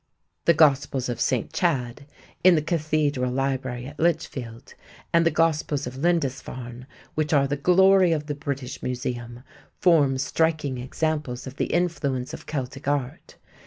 The Gospels of St. Chad (in the Cathedral Library at Lichfield) and the Gospels of Lindisfarne, which are "the glory of the British Museum", form striking examples of the influence of Celtic art.